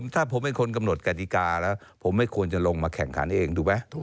ถ้าผมเป็นคนกำหนดกฎิกาแล้วผมไม่ควรจะลงมาแข่งขันเองถูกไหม